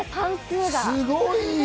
すごいよ。